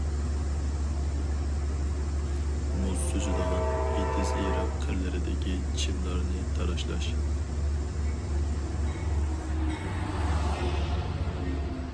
مۇز سۈزىدىغان، ئېتىز-ئېرىق قىرلىرىدىكى چىملارنى تاراشلاش.